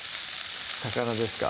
魚ですか？